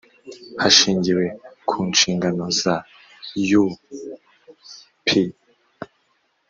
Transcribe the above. hashingiwe ku nshingano za u p